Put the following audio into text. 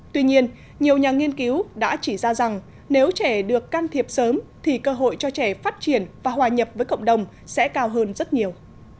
tuy nhiên nhiều nhà nghiên cứu đã chỉ ra rằng nếu trẻ được can thiệp sớm thì cơ hội cho trẻ phát triển và hòa nhập với cộng đồng sẽ cao hơn rất nhiều